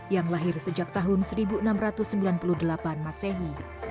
yang lahir sejak tahun seribu enam ratus sembilan puluh delapan masehi